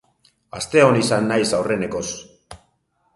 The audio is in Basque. Asteon izan naiz aurrenekoz.